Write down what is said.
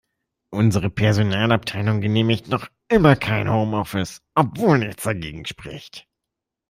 Unsere Personalabteilung genehmigt noch immer kein Home-Office, obwohl nichts dagegen spricht.